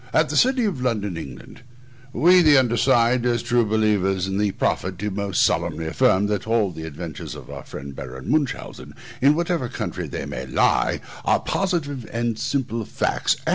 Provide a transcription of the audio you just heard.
AT THE CITY OF LONDON, ENGLAND. We, the undersigned, as true believers in the profit, do most solemnly affirm, that all the adventures of our friend Baron Munchausen, in whatever country they may lie, are positive and simple facts.